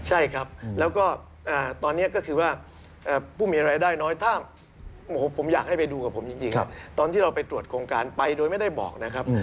ใช่ครับแล้วก็ตอนนี้ก็คือว่าผู้มีรายได้น้อยถ้าผมอยากให้ไปดูกับผมจริงตอนที่เราไปตรวจโครงการไปโดยไม่ได้บอกนะครับ